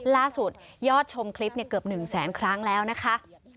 ล่าสุดยอดชมคลิปเกือบหนึ่งแสนครั้งแล้วนะคะ